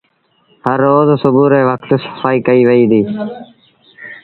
هر روز سُوڀو ري وکت سڦآئيٚ ڪئيٚ وئي ديٚ۔